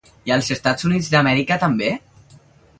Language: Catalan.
I als Estats Units d'Amèrica també?